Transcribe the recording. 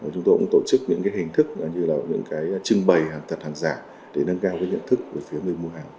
chúng tôi cũng tổ chức những hình thức như trưng bày hàng thật hàng giả để nâng cao nhận thức của phía người mua hàng